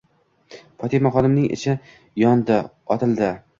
Fotimaxonimning ichi yondi. Otildi.